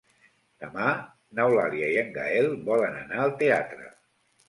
Demà n'Eulàlia i en Gaël volen anar al teatre.